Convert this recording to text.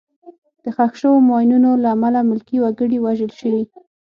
د ښخ شوو ماینونو له امله ملکي وګړي وژل شوي.